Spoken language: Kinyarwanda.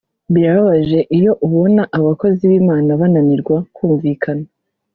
birababaje iyo ubona Abakozi b’Imana bananirwa kumvikana